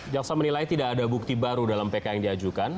jaksa menilai tidak ada bukti baru dalam pk yang diajukan